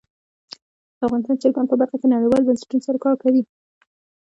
افغانستان د چرګان په برخه کې نړیوالو بنسټونو سره کار کوي.